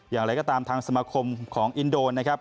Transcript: อย่างไรก็ตามทางสมาคมของอินโดนะครับ